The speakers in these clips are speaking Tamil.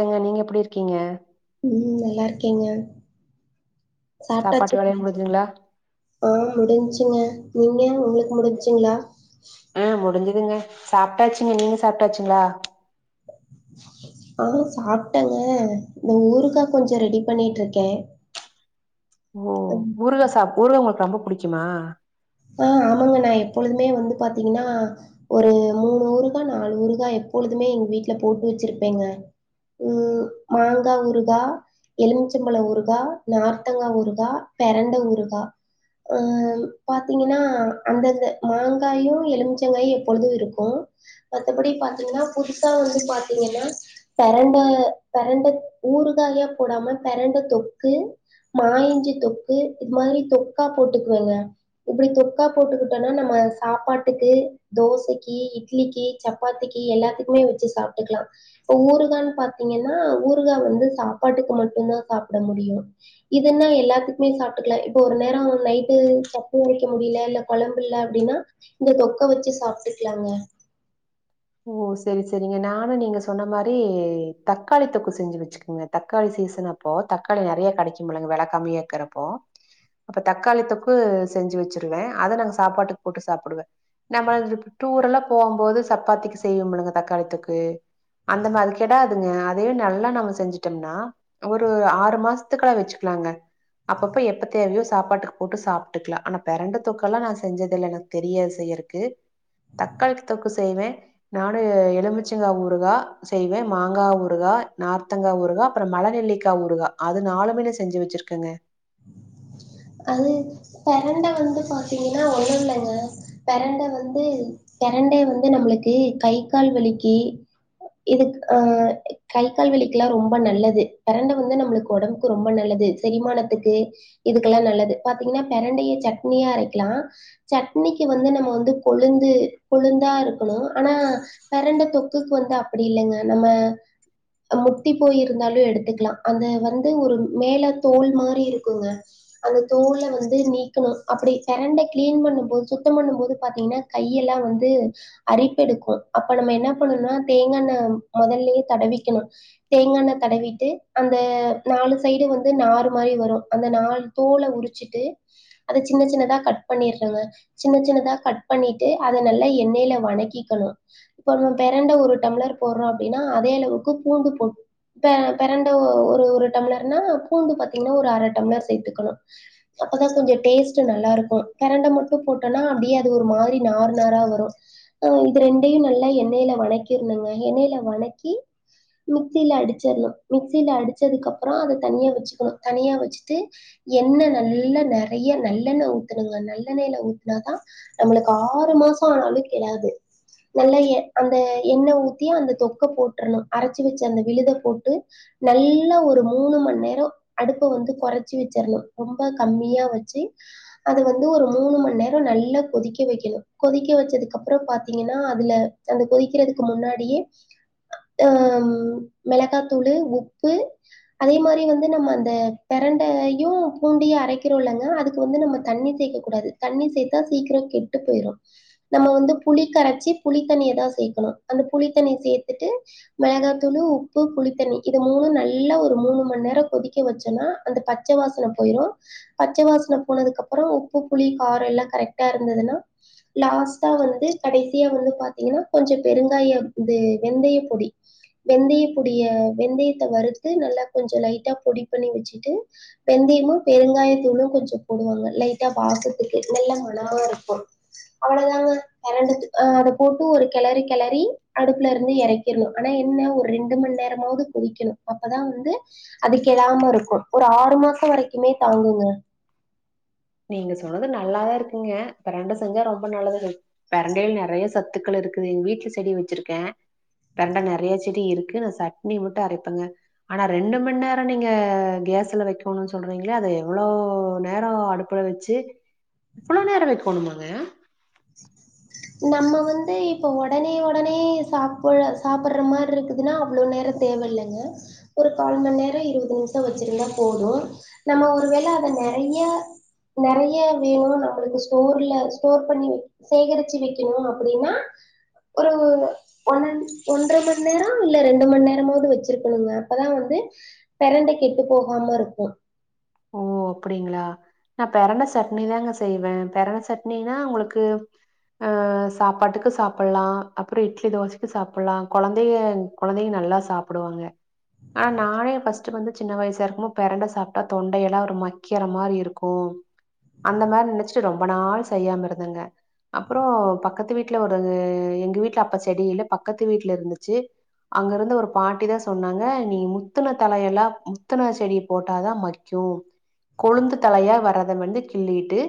ஏங்க நீங்க எப்டி இருக்கிங்க ம் நல்லாருக்கேங்க சாப்பாட்டு சாப்டாச்சா வேலையெல்லா முடிஞ்சுதுங்களா ஆ முடிஞ்சுங்க நீங்க உங்ளுக் முடிஞ்சுங்ளா ஆ முடிஞ்சிதுங்க சாப்டாச்சுங்க நீங்க சாப்டாச்சுங்ளா ஆ சாப்டேங்க இந்த ஊறுகா கொஞ்சோ ரெடி பண்ணிட்ருக்கே ஓ ம் ஊருக சாப் ஊருக உங்களுக்கு ரொம்ப பிடிக்குமா ஆ ஆமாங்க நா எப்பொழுதுமே வந்து பாத்தீங்கன்னா ஒரு மூணு ஊருக்கா நாலு உருகா எப்பொழுதுமே எங்க வீட்ல போட்டு வச்சுருப்பேங்க ம் மாங்கா ஊருகா எலுமிச்சம்பழ ஊருகா நார்த்தங்கா ஊருகா பெரண்ட ஊருகா ஆ பாத்தீங்கன்னா அந்தந்த மாங்காயு எலுமிச்சங்காயு எப்பொழுது இருக்கு மத்தபடி பாத்தீங்கன்னா புதுசா வந்து பாத்தீங்கன்னா பெரண்ட பெரண்ட ஊருகாயா போடாம பெரண்ட தொக்கு மா இஞ்சி தொக்கு இது மாரி தொக்கா போட்டுக்குவேங்க இப்டி தொக்கா போட்டுக்கிட்டோன்னா நம்ம சாப்பாட்டுக்கு தோசைக்கி இட்லிக்கி சப்பாத்திக்கி எல்லாத்துக்குமே வச்சு சாப்ட்டுக்கலா இப்ப ஊருகான்னு பாத்தீங்கன்னா ஊருகா வந்து சாப்பாட்டுக்கு மட்டுதா சாப்ட முடியு இதுன்னா எல்லாத்துக்குமே சாப்ட்டுக்கலா இப்ப ஒரு நேரோ நைட்டு [unintelligible] வைக்க முடியல இல்ல கொழம்பு இல்ல அப்டின்னா இந்த தொக்க வச்சு சாப்ட்டுக்களாங்கா ஓ செரி செரிங்க நானு நீங்க சொன்ன மாரி தக்காளி தொக்கு செஞ்சு வச்சுக்கோங்க தக்காளி சீசன் அப் அப்போ தக்காளி நெறைய கெடைக்குமுலங்க வெல கம்மியா இருக்குறப்போ அப்ப தக்காளி தொக்கு செஞ்சு வச்சுருவே அத நாங்க சாப்பாட்டுக்கு போட்டு சாப்டுவே நம்ம [unintelligible] டூர் எல்லா போம் போது சப்பாத்திக்கு செய்வோமில்லங்க தக்காளி தொக்கு அந்த மாரி கேடாதுங்க அதவே நல்லா நம்ம செஞ்சுட்டோம்னா ஒரு ஆறு மாசத்துக்கல்ல வச்சுக்கலாங்க அப்பப்ப எப்ப தேவையோ சாப்பாட்டுக்கு போட்டு சாப்ட்டுக்கலா ஆனா பெரண்ட தொக்கல்லா நா செஞ்சதில்ல எனக் தெரியா செய்றக்கு தக்காளி தொக்கு செய்வே நானு எலுமிச்சங்கா ஊருகா செய்வே மாங்கா ஊருகா நார்த்தங்க ஊருகா அப்பற மழ நெல்லிக்கா ஊருகா அது நாளுமே செஞ்சு வச்சிருக்கங்க அது பிரண்ட வந்து பாத்தீங்கன்னா ஒண்ணுல்லங்க பிரண்ட வந்து பிரண்டை வந்து நம்ளுக்கு கை கால் வலிக்கி இது ஆ கை கால் வலிக்கெல்லா ரொம்ப நல்லது பெரண்ட வந்து நம்ளுக்கு ஒடம் கு ரெம்பா நல்லது செரிமானத்துக்கு இதுக் லா நல்லது பாத்தீங்கன்னா பெரண்டைய சட்னியா அரைக்லா சட்னிக்கு வந்து நம்ம வந்து கொழுந்து கொழுந்தா இருக்கணு ஆனா பெரண்ட தொக்குக்கு வந்து அப்டி இல்லங்க நம்ம முத்தி போயிருந்தாலு எடுத்துக்லா அந்த வந்து ஒரு மேல தோல் மாரி இருக்குங்க அந்த தோள்ல வந்து நீக்ணு அப்டி பெரண்ட கிளீன் பண்ணும் போது சுத்தம் பண்ணும் போது பாத்தீங்கன்னா கையெல்லா வந்து அரிப்பெடுக்கு அப்ப நம்ம என்ன பண்ணுனா தேங்காண்ண மொதல்லே தடவிக்கணு தேங்க எண்ண தடவிட்டு அந்த நாலு சைடு வந்து நாரு மாரி வரு அந்த நாலு தோல உரிச்சுட்டூ அத சின்ன சின்னதா கட் பண்ணிறனுங்க சின்ன சின்னதா கட் பண்ணிட்டு அத நல்லா எண்ணெயில வணக்கிக்கணு இப்ப நம்ம பிரண்ட ஒரு டம்ளர் போடுறோ அப்டின்னா அதே அளவுக்கு பூண்டு போ பெரண்ட ஒரு ஒரு டம்ளர்னா பூண்டு பாத்தீங்கன்னா ஒரு அர டம்ளர் சேத்துக்கணு அப்பதா கொஞ்சோ டேஸ்ட்டு நல்லாருக்கு பெரண்ட மட்டு போட்டோனா அப்டியே அது ஒரு மாரி நார் நாரா வரு ஆ இது ரெண்டையு நல்லா எண்ணெயில வணக்கிருனுங்க எண்ணெயில வணக்கி மிக்சியில அடிச்சிரலா மிக்சியில அடிச்சதுக்கு அப்புறோ அத தனியா வச்சுக்கணு தனியா வச்சுட்டு எண்ணெ நல்லா நெறைய நல்லெண்ண ஊத்துணுங்க நல்லெண்ணயில ஊத்துனாதா நம்மளுக்கு ஆறு மாசோ ஆனாலு கெடாது நல்லா எ அந்த எண்ணெ ஊத்தி அந்த தொக்க போட்டரணு அரச்சு வச்ச அந்த விழுத போட்டு நல்லா ஒரு மூணு மணி நேரோ அடுப்ப வந்து கொறச்சு வச்சு ரணு ரொம்ப கம்மியா வச்சு அது வந்து ஒரு மூணு மணா நேரோ நல்லா கொதிக்க வைக்கணு கொதிக்க வச்சதுக்கு அப்பறோ பாத்தீங்கன்னா அதுல அது கொதிக்கறதுக்கு முன்னாடியே ஹம் மெளகாத்தூளு உப்பு அதே மாரி வந்து நம்ம அந்த பெரண்டை ம் பூண்டயு அரைக்கிறோல்லங்க அதுக்கு வந்து நம்ம தண்ணி சேக்க கூடாது தண்ணி சேத்தா சீக்கிரோ கெட்டு போயிரு நம்ம வந்து புளி கரச்சி புளித்தண்ணியதா சேக்கணு அந்த புளித்தண்ணிய சேத்துட்டு மெளகாத்தூளு உப்பு புளித்தண்ணி இத மூணு நல்லா ஒரு மூணு மணி நேரோ கொதிக்க வச்சோனா அந்த ப பச்ச வாசன போயிரு பச்ச வாசன போனதுக்கு அப்புறோ உப்பு புளி காரோ எல்லா கரெக்ட்டா இருந்ததுன்னா லாஸ்ட்டா வந்து கடைசியா வந்து பாத்தீங்கன்னா கொஞ்சோ பெருங்காயம் இது வெந்தய பொடி வெந்தய பொடிய வெந்தயத்த வறுத்து நல்லா கொஞ்சோ லைட்டா பொடி பண்ணி வச்சுட்டு வெந்தயமு பெருங்காயத்தூளு கொஞ்சோ போடுவாங்க லைட்டா வாசத்துக்கு நல்ல மணமா இருக்கும் அவ்ளோதாங்க பெரண்ட அஹ் அத போட்டு ஒரு கெளரு கெளரி அடுப்புல இருந்து இறக் ணு ஆனா என்ன ஒரு ரெண்டு மண் நேரமாவது கொதிக்கணு அப்பதா வந்து அது கெடாம இருக்கு ஒரு ஆறு மாசோ வரைக்குமே தாங்குங்க நீங்க சொன்னது நல்லாதா இருக்குங்க பெரெண்ட செஞ்சா ரொம்ப நல்லது தோழி பெரண்டைல நெறய சத்துக்கள் இருக்குது எங்க வீட்ல செடி வச்சுருக்கே பெரண்ட நெறய செடி இருக்கு நா சட்னி மட்டு அரப்பேங்க ஆனா ரெண்டு மண் நேரோ நீங்க கேஸ்ல வைக்கணுன்னு சொல்றீங்கள அது எவ்ளோ நேரோ அடுப் புல வச்சு இவ்ளோ நேரோ வைக்கணுமாங்க நம்ம வந்து இப்ப உடனே உடனே சாப்பு சாப்புற மாரி இருக்குதுன்னா அவ்ளோ நேரத் தேவல்லங்க ஒரு கால் மண் நேரோ இருபது நிமிஷோ வச்சிருந்தா போது நம்ம ஒருவேள அத நெறைய நெறய வேணு நம்மளுக்கு ஸ்டோர்ல ஸ்டோர் பண்ணி சேகரிச்சு வைக்கணு அப்டின்னா ஒரு ஒ ஒன்றர மண் நேரோ இல்ல ரெண்டு மண் நேரமாவுது வச்சிருக்கணுங்க அப்பதா வந்து பெரண்ட கெட்டு போகாம இருக்கு ஓ அப்டிங்ளா நா பெரண்ட சட்னி தாங்க செய்வே பெரண்ட சட்னினா உங்களுக்கு அஹ் சாப்பாட்டுக்கு சாப்புலா அப்புறோ இட்லி தோசைக்கு சாப்புலா கொழந்தைக கொழந்தயு நல்லா சாப்புடுவாங்க ஆனா நானே ஃபஸ்ட் வந்து சின்ன வயசா இருக்கும் போது பெரண்ட சாப்ட்டா தொண்டையெல்லா ஒரு மக்கிற மாரி இருக்கு அந்த மாரி நெனச்சுட்டு ரொம்ப நாள் செய்யாம இருந்தேங்க அப்புறோ பக்கத்து வீட்ல ஒரு எங்க வீட்ல அப்ப செடி இல்ல பக்கத்து வீட்ல இருந்துச்சு அங்க இருந்து ஒரு பாட்டி தா சொன்னாங்க நீ முத்துண தலையெலா முத்துண செடி போட்டாதா மக் சோ கொழுந்து தலையா வரத வந்து கிள்ளிட்டு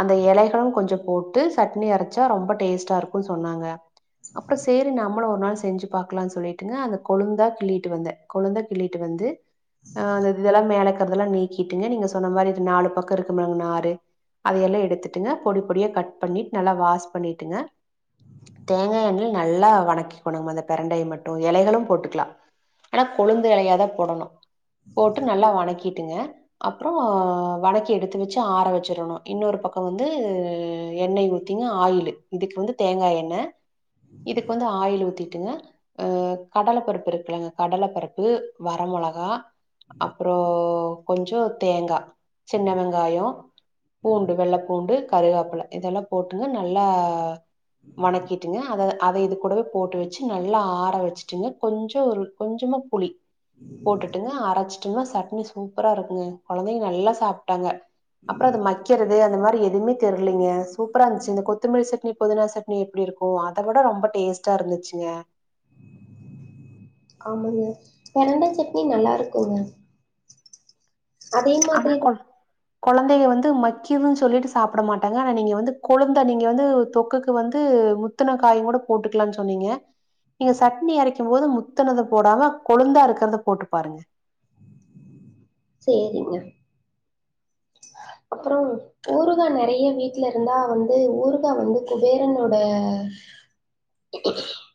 அந்த எலைகளும் கொஞ்சம் போட்டு சட்னி அரச்சா ரொம்ப டேஸ்ட்டா இருக்குன் சொன்னாங்க அப்ப சேரி நம்மளு ஒரு நாள் செஞ்சு பாக்கலான் சொல்லிட்டுங்க அந்த கொழுந்தா கிள்ளிட்டு வந்தே கொழுந்த கிள்ளிட்டு வந்து அ அந்த இது இதெல்லா மேலக்குறதெல்லா நீக்கிட்டுங்க நீங்க சொன்ன மாரி இது நாலு பக்கோ இருக்குமுலங்க நாரு அதயெல்லா எடுத்துட்டுங்க பொடி பொடியா கட் பண்ணிட் நல்லா வாஷ் பண்ணிட்டுங்க தேங்கா எண்ணெய்ல நல்லா வணக்கிக்கோணு அந்த பெரண்டைய மட்டு எலைகளும் போட்டுக்லா ஆனா கொழுந்து எலயாதா போடணு போட்டு நல்லா வணக்கிட்டுங்க அப்றோ வணக்கி எடுத்து வச்சு ஆற வச்சிரணு இன்னொரு பக்கோ வந்து எண்ணெய் ஊத் திங்க ஆயிலு இதுக்கு வந்து தேங்கா எண்ண இதுக்கு வந்து ஆயிலு ஊத்திட்டுங்க அ கடல பருப்பு இருக்குலங்க கடல பருப்பு வர மொளகா அப்புறோ கொஞ்சோ தேங்கா சின்ன வெங்காயோ பூண்டு வெள்ளப்பூண்டு கருகாப்பில இதெல்லாம் போட்டுங்க நல்லா வணக்கிட்டுங்க அத அத இது கூடவே போட்டு வச்சு நல்லா ஆற வச்சுட்டுங்க கொஞ்சோ ஒரு கொஞ்சமா புளி போட்டுட்டுங்க அரச்சுட்டோம்னா சட்னி சூப்பரா இருக்குங்க கொழந்தைங்க நல்லா சாப்ட்டாங்க அப்புறோ அது மக்கிறது அது மாரி எதுமே தெரிலீங்க சூப்பரா இருந்த்ச்சு இந்தக் கொத்தமல்லி சட்னி புதினா சட்னி எப்டி இருக்கு அத விட ரொம்ப டேஸ்ட்டா இருந்துச்சுங்க ஆமாங்க பெரண்ட சட்னி நல்லா இருக்குங்க ஆனா மாதிரி கொ தான் கொழந்தைக வந்து மக்கிதுன் சொல்லிட்டு சாப்ட மாட்டாங்க ஆனா நீங்க வந்து கொழுந்த நீங்க வந்து தொக்குக்கு வந்து மு முத்துன காய் கூட போட்டுக்கலான் சொன்னீங்க நீங்க சட்னி அரைக்கும் போது முத்துனத போடாம கொழுந்தா இருக்கிறத போட்டு பாருங்க சேரிங்க அப்புறோ ஊறுகா நெறய வீட்ல இருந்தா வந்து ஊறுகா வந்து குபேரனோட [inaudible]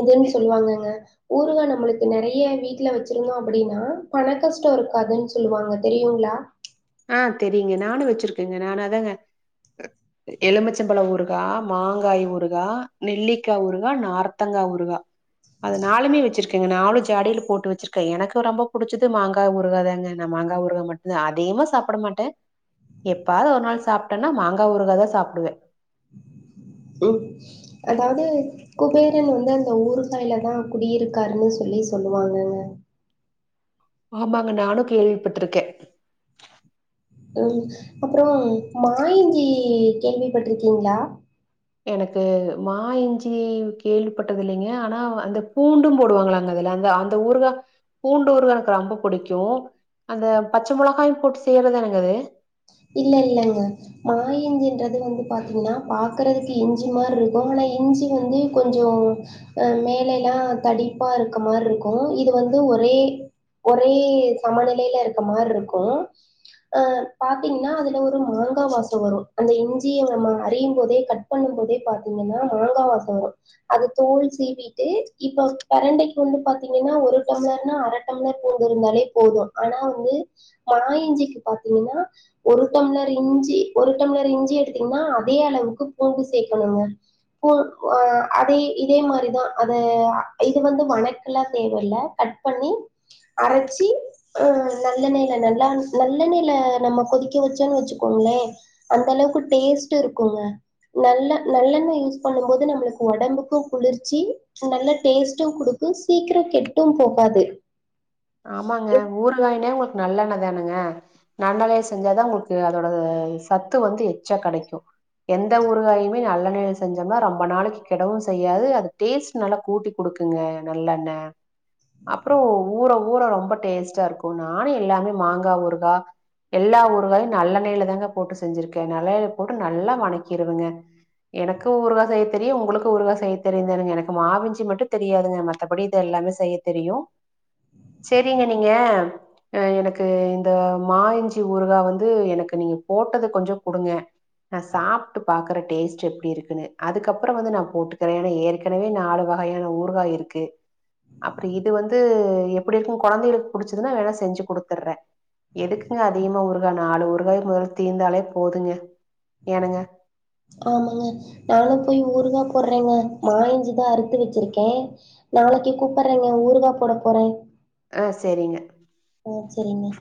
இதுன் சொல்வாங்கங்க ஊறுகா நம்மளுக்கு நெறய வீட்ல வச்சிருந்தோ அப்டின்னா பண கஷ்டோ இருக்காதுன் சொல்லுவாங்க தெரியுங்ளா ஆ தெரியுங்க நானு வச்சிருக்கேங்க நானு அதாங்க ட்ரு எ எலுமிச்சம்பழ ஊறுகா மாங்காய் ஊறுகா நெல்லிக்கா ஊறுகா நார்த்தங்கா ஊறுகா அது நாலுமே வச்சிருக்கேங்க நாலு ஜாடியில போட்டு வச்சிருக்கே எனக்கு ரொம்ப புடிச்சது மாங்கா ஊறுகாதாங்க நா மாங்கா ஊறுகா மட்டுந்தா அதிகமா சாப்ட மாட்டே எப்பாது ஒரு நாள் சாப்ட்டேன்னா மாங்கா ஊறுகா தா சாப்டுவே ம் அதாவ்து குபேரன் வந்து அந்த ஊறுகாய்ல தா குடியிருக்காருன் சொல்லி சொல்லுவாங்கங்க ஆமாங்க நானு கேள்விபட்ருக்கே ம் அப்புறோ மா இஞ்சி கேள்விபட்ருக்கீங்ளா எனக்கு மாயிஞ்சி கேள்விப்பட்டதில்லைங்க ஆனா அந்த பூண்டும் போடுவாங்களாங்க அதுல அந்த அந் இந்த ஊறுகா பூண்டு ஊறுகா எனக்கு ரொம்ப பிடிக்கு அந்த பச்ச மொளகாயும் போட்டு செய்றதானுங்க அது இல்ல இல்லங்க மாயிஞ்சின்றது வந்து பாத்தீங்ன்னா பாக்குறதுக்கு இஞ்சி மார் இருக்கு ஆனா இஞ்சி வந்து கொஞ்சோ அ மேலேல்லா தடிப்பா இருக்க மார் இருக்கு இது வந்து ஒரே ஒரே சமநெலையில இருக்க மாரி இருக்கு ஆ பாத்தீங்கனா அதுல ஒரு மங்கா வாசோ வரு அந்த இஞ்சிய நம்ம அறியு போதே கட் பண்ணு போதே பாத்தீங்கன்னா மாங்கா வாசோ வரு அது தோல் சீவிட்டு இப்ப பெரண்டைக்கு வந்து பாத்தீங்கனா ஒரு டம்ளர்னா அர டம்ளர் பூண்டு இருந்தாலே போது ஆனா வந்து மாயிஞ்சிக்கு பாத்தீங்கனா ஒரு டம்ளர் இஞ்சி ஒரு டம்ளர் இஞ்சி எடுத்தீங்கன்னா அதே அளவுக்கு பூண்டு சேர்க்கணுங்க போ ஆ அதே இதே மாரிதா அது இது வந்து வணக்கெல்லா தேவ இல்ல கட் பண்ணி அரைச்சி ஆ நல்லெண்ணெய்ல நல்லா நல்லெண்ணெய்ல நம்ம கொதிக்க வச்சன்னு வச்சுக்கோங்களே அந்த அளவுக்கு டேஸ்ட்டு இருக்குங்க நல்ல நல்லெண்ண யூஸ் பண்ணு போது நம்மளுக்கு உடம்புக்கு குளிர்ச்சி நல்ல டேஸ்ட்டு குடுக்கு சீக்கிரோ கெட்டு போகாது ஆமாங்க ஊறு காயினே உங்கள்க்கு நல்லெண்ண தானங்க நன்னதே செஞ்சாதா உங்களுக்கு அதோடது சத்து வந்து எச்சா கெடைக்கு எந்த ஊறுகாயுமே நல்லெண்ணையிலா செஞ்சம்னா ரொம்ப நாளைக்கி கெடவு செய்யாது அது டேஸ்ட் நல்லா கூட்டிக் குடுக்குங்க நல்லெண்ண அப்புறோ ஊர ஊர ரொம்ப டேஸ்ட்டா இருக்கு நா எல்லாமே மாங்கா ஊறுகா எல்லா ஊறுகாயு நல்லெண்ணெயில தாங்க போட்டு செஞ்சிருக்கே நல்லெண்ணெயில போட்டு நல்லா வணக்கிருவங்க எனக்கு ஊறுகா செய்ய தெரியு உங்களுக்கு ஊறுகா செய்ய தெரியுங்க எனக்கு மாவிஞ்சி மட்டு தெரியாதுங்க ம மத்தபடி இது எல்லாமே செய்ய தெரியு செரிங்க நீங்க அ எனக்கு இந்த மாயிஞ்சி ஊறுகா வந்து எனக்கு நீங்க போட்டது கொஞ்சோ குடுங்க நா சாப்ட்டு பாக்குறே டேஸ்ட் எப்டி இருக்குனு அதுக்கப்புறோ வந்து நா போட்டுக்கிறே ஏனா ஏற்கனவே நாலு வகையான ஊறுகா இருக்கு அப்டி இது வந்து இப்டிகு கொழந்தைகளுக்கு புடிச்சதுனா வேணா செஞ்சு குடுத்துறே எதுக்குங்க அதிகமா ஊருகா நாலு ஊறுகாயே மொதல்ல தீந்தாலே போதுங்க ஏனுங்க ஆமாங்க நானு போய் ஊறுகா போடுறேங்க மாயிஞ்சுதா அறுத்து வச்சிருக்கே நாளைக்கி கூப்புடுறேங்க ஊருகா போட போறே ஆ செரிங்க ஆ செரிங்க